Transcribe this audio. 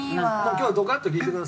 今日はドカッと聞いてください。